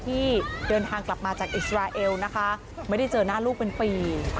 ที่เดินทางกลับมาจากอิสราเอลนะคะไม่ได้เจอหน้าลูกเป็นปี